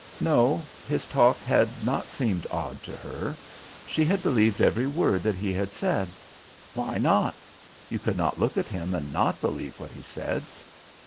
No, his talk had not seemed odd to her. She had believed every word that he had said. Why not? You could not look at him and not believe what he said.